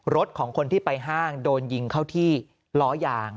รถของคนที่ไปห้างโดนยิงเข้าที่ล้อยาง